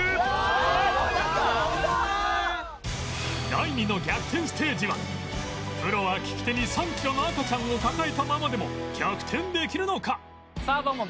第２の逆転ステージはプロは利き手に３キロの赤ちゃんを抱えたままでも逆転できるのか？